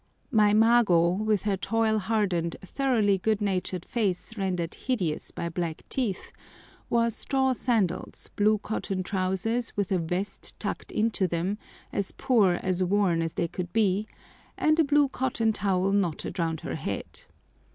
My mago, with her toil hardened, thoroughly good natured face rendered hideous by black teeth, wore straw sandals, blue cotton trousers with a vest tucked into them, as poor and worn as they could be, and a blue cotton towel knotted round her head.